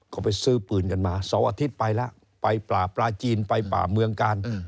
เขาไปซื้อปืนกันมาเสาร์อาทิตย์ไปแล้วไปป่าปลาจีนไปป่าเมืองกาล